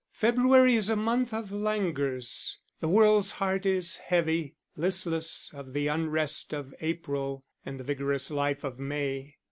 February is a month of languors; the world's heart is heavy, listless of the unrest of April and the vigorous life of May.